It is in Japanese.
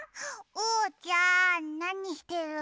おうちゃんなにしてるの？